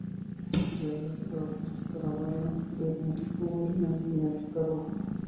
Josef Strauß es el tatarabuelo del músico Willy Aigner-Strauß.